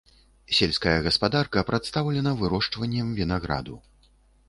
Сельская гаспадарка прадстаўлена вырошчваннем вінаграду.